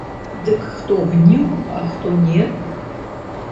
Дык хто гніў, а хто не.